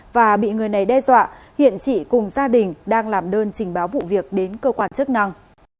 và bị người này đe dọa hiện chị cùng gia đình đang làm đơn trình báo vụ việc đến cơ quan chức năng